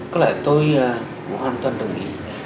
có lẽ tôi cũng hoàn toàn đồng ý